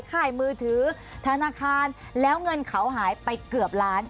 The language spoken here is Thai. ค่ายมือถือธนาคารแล้วเงินเขาหายไปเกือบล้าน